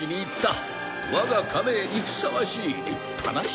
我が家名にふさわしい立派な姿勢じゃ。